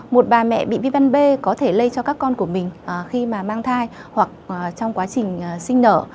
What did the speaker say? một bà mẹ bị vi văn b có thể lây cho các con của mình khi mà mang thai hoặc trong quá trình sinh nở